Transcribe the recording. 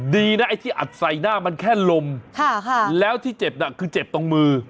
ดีนะไอ้ที่อัดใส่หน้ามันแค่ลมแล้วที่เจ็บน่ะคือเจ็บตรงมือ